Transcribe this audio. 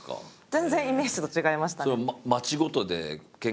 全然イメージと違いましたね。